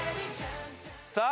さあ！